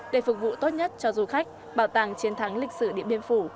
để phục vụ tốt nhất cho du khách bảo tàng chiến thắng lịch sử điện biên phủ